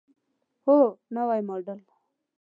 هو، نوی موډل